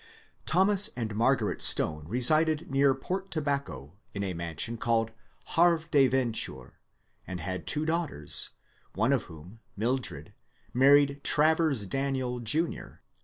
Thomas and Margaret Stone resided near Port Tobacco, in a mansion called '' Havre de Venture,'' and had two daugh ters; one of whom, Mildred, married Travers Daniel, Jr.